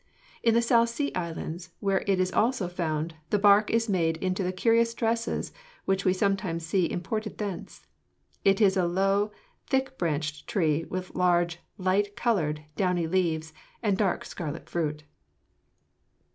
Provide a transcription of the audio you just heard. In the South Sea Islands, where it is also found, the bark is made into the curious dresses which we sometimes see imported thence. It is a low, thick branched tree with large light colored downy leaves and dark scarlet fruit."